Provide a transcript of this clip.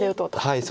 はい。